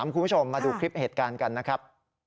คุณผู้ชมมาดูคลิปเหตุการณ์กันนะครับ